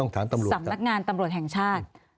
สำนักงานตำรวจแห่งชาติ